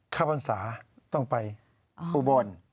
ข้าวพรรษาต้องไปอุบล